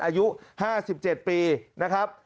อายุ๕๗ปีนะครับ